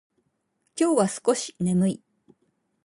今日は少し眠い。